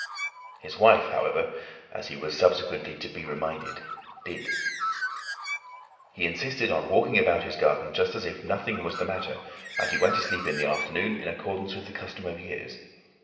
His wife, however, as he was subsequently to be reminded, did. He insisted upon walking about his garden just as if nothing was the matter, and he went to sleep in the afternoon in accordance with the custom of years.